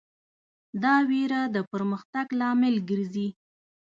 دا وېره د پرمختګ لامل ګرځي.